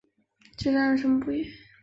只是站着沉默不语